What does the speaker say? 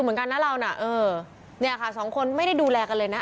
เหมือนกันนะเราน่ะเออเนี่ยค่ะสองคนไม่ได้ดูแลกันเลยนะ